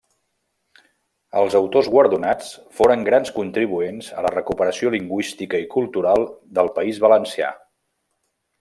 Els autors guardonats foren grans contribuents a la recuperació lingüística i cultural del País Valencià.